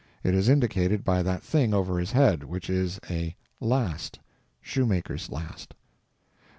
It is indicated by that thing over his head, which is a last—shoemaker's last.